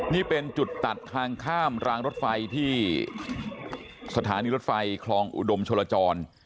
นี่เป็นจุดตัดทางข้ามรางรถไฟที่สถานีรถไฟคลองอุดมชลจร